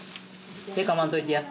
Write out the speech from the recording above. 手かまんといてや。